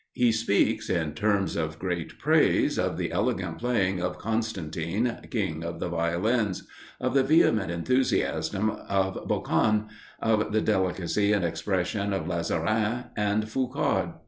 He speaks in terms of great praise of the elegant playing of Constantine, King of the Violins; of the vehement enthusiasm of Boccan; of the delicacy and expression of Lazarin and Foucard.